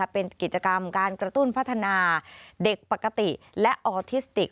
เป็นกิจกรรมการกระตุ้นพัฒนาเด็กปกติและออทิสติก